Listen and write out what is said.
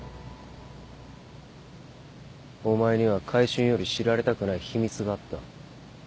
お前には買春より知られたくない秘密があった。